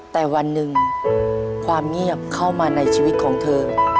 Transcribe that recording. แต่วันหนึ่งความเงียบเข้ามาในชีวิตของเธอ